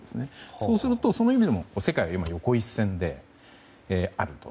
そうすると、そういう意味でも世界は横一線であると。